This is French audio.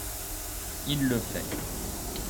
Il le fait